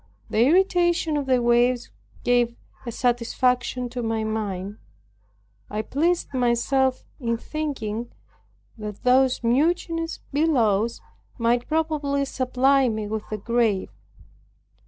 The irritation of the waves gave a satisfaction to my mind. I pleased myself in thinking that those mutinous billows might probably supply me with a grave.